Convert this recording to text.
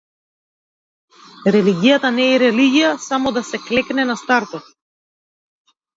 Религијата не е религија - само да се клекне на стартот.